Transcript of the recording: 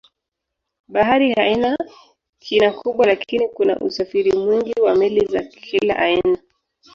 Bahari haina kina kubwa lakini kuna usafiri mwingi wa meli za kila aina.